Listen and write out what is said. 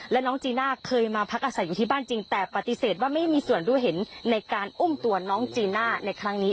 และน้องจีน่าเคยมาพักอาศัยอยู่ที่บ้านจริงแต่ปฏิเสธว่าไม่มีส่วนรู้เห็นในการอุ้มตัวน้องจีน่าในครั้งนี้